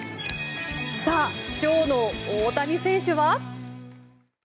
さあ、今日の大谷選手は。